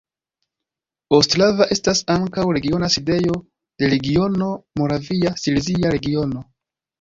Ostrava estas ankaŭ regiona sidejo de regiono Moravia-Silezia Regiono.